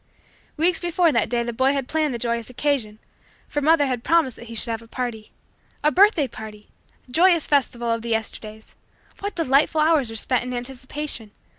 Weeks before that day the boy had planned the joyous occasion, for mother had promised that he should have a party. A birthday party! Joyous festival of the Yesterdays! What delightful hours were spent in anticipation!